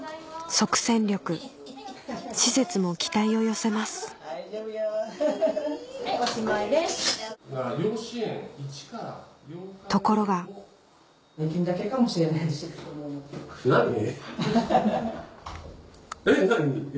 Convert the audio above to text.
即戦力施設も期待を寄せますところが何で？